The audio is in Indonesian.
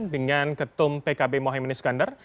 dengan ketum pkb mohamad nisgandar